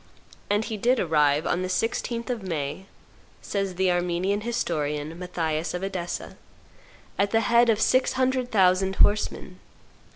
And he did arrive on the 16th of May, says the Armenian historian, Matthias of Edessa, at the head of six hundred thousand horsemen.